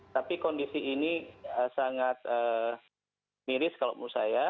tapi kondisi ini sangat miris kalau menurut saya